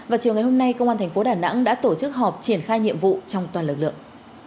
vào chiều ngày hôm nay công an thành phố đà nẵng đã tổ chức họp triển khai nhiệm vụ trong toàn lực lượng